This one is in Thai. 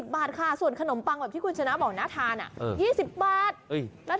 บาทค่ะส่วนขนมปังแบบที่คุณชนะบอกน่าทาน๒๐บาท